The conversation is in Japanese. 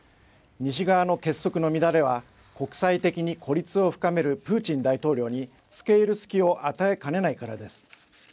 西側の結束の乱れは国際的に孤立を深めるプーチン大統領につけいる隙を与えかねないからです。